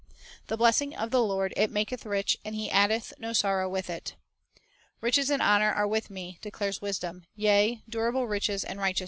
3 "The blessing of the Lord, it maketh rich, and He addeth no sorrow with it." 3 "Riches and honor are with Me," declares Wisdom; "yea, durable riches and righteousness."